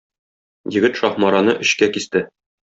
Егет Шаһмараны өчкә кисте.